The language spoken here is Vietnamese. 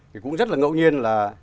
thì cũng rất là ngẫu nhiên là